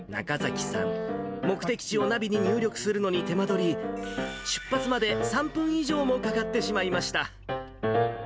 中崎さん、目的地をナビに入力するのに手間取り、出発まで３分以上もかかってしまいました。